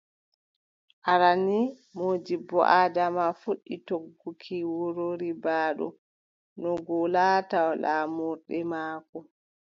Aran nii Moodibbo Adama fuɗɗi togguki wuro Ribaaɗo no ngo laata laamurde maako.